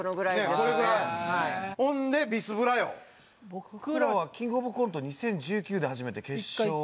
僕らはキングオブコント２０１９で初めて決勝。